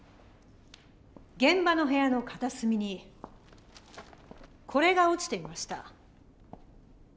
現場の部屋の片隅にこれが落ちていました。